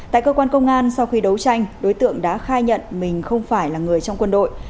tại cơ quan công an sau khi đấu tranh đối tượng đã khai nhận mình không phải là người trong quân đội